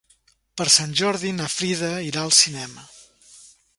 Per Sant Jordi na Frida irà al cinema.